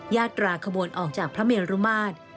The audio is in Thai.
ญาตราขบวนออกจากพระเมรุมาตร